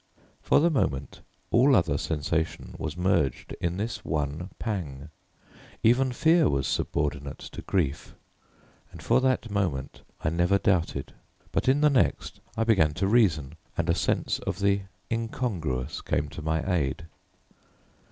For the moment all other sensation was merged in this one pang: even fear was subordinate to grief, and for that moment I never doubted; but in the next I began to reason, and a sense of the incongruous came to my aid.